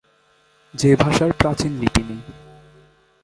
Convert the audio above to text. যে ভাষার প্রাচীন লিপি নেই।